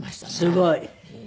すごい。